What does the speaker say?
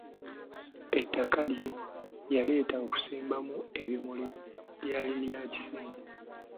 Ettaka lye yaleeta okusimbamu ebimuli lyali lya kisenyi.